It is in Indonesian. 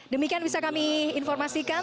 demikian bisa kami informasikan